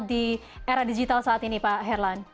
di era digital saat ini pak herlan